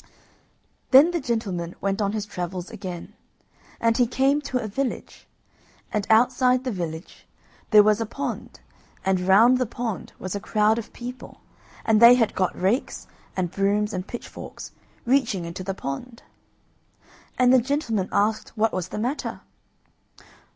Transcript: Then the gentleman went on his travels again; and he came to a village, and outside the village there was a pond, and round the pond was a crowd of people. And they had got rakes, and brooms, and pitchforks, reaching into the pond; and the gentleman asked what was the matter.